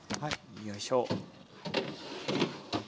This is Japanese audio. よいしょ。